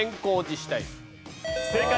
正解。